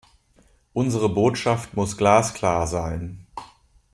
Unsere Botschaft muss glasklar sein.